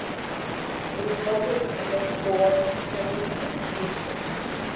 It is located in the Sipaliwini District.